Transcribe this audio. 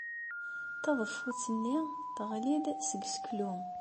Taḍeffut-nni teɣli-d seg useklu.